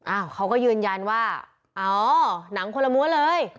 เขาก็ยืนยันว่าอ๋อหนังคนละม้วนเลย